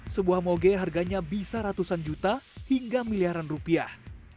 sebuah moge harganya bisa ratusan juta hingga miliaran rupiah